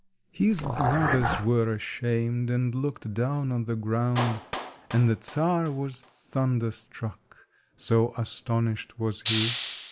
His brothers were ashamed, and looked down on the ground, and the Czar was thunderstruck, so astonished was he.